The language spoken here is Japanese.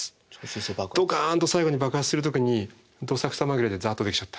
ドカーンと最後に爆発する時にどさくさ紛れでザーッとできちゃった。